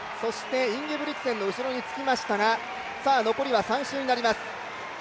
インゲブリクセンの後ろにつきましたが、残りは３周になります。